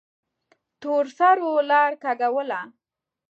تورسرو لار کږوله.